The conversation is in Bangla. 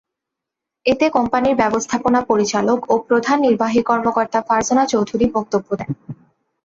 এতে কোম্পানির ব্যবস্থাপনা পরিচালক ও প্রধান নির্বাহী কর্মকর্তা ফারজানা চৌধুরী বক্তব্য দেন।